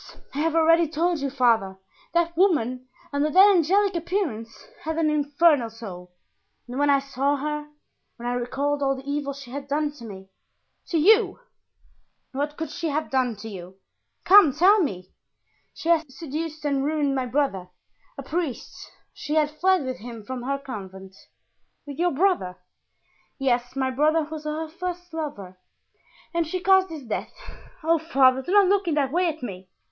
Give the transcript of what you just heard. I have already told you, father, that woman, under that angelic appearance, had an infernal soul, and when I saw her, when I recalled all the evil she had done to me——" "To you? What could she have done to you? Come, tell me!" "She had seduced and ruined my brother, a priest. She had fled with him from her convent." "With your brother?" "Yes, my brother was her first lover, and she caused his death. Oh, father, do not look in that way at me!